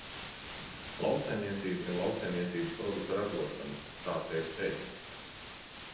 Lauksaimniecība ir lauksaimniecības produktu ražošana, tā te ir teikts.